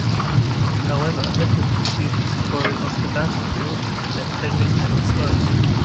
However Edward pursued his quarry off the battlefield and left Henry's men exposed.